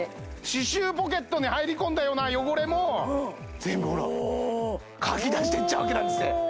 歯周ポケットに入り込んだような汚れも全部ほらおおかき出してっちゃうわけなんですね